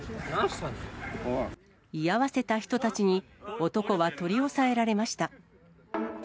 居合わせた人たちに男は取り押さえられました。